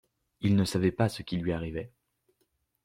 Il ne savait pas ce qui lui arrivait.